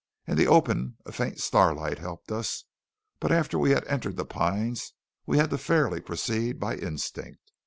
In the open a faint starlight helped us, but after we had entered the pines we had fairly to proceed by instinct.